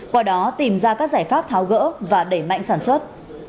qua đó tìm ra các giải pháp tháo gỡ và đẩy mạnh sản xuất